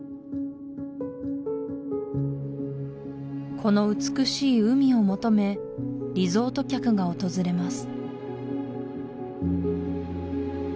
この美しい海を求めリゾート客が訪れます